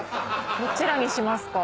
どちらにしますか？